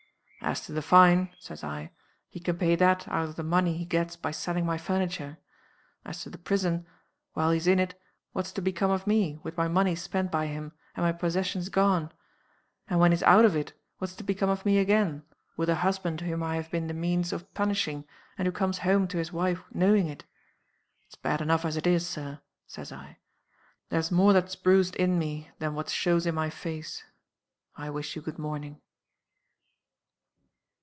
"'As to the fine,' says I, 'he can pay that out of the money he gets by selling my furniture. As to the prison, while he's in it, what's to become of me, with my money spent by him, and my possessions gone; and when he's out of it, what's to become of me again, with a husband whom I have been the means of punishing, and who comes home to his wife knowing it? It's bad enough as it is, Sir,' says I. 'There's more that's bruised in me than what shows in my face. I wish you good morning.